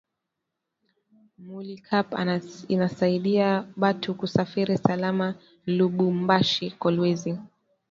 Mulykap inasaidia batu kusafiri salama lubumbashi kolwezi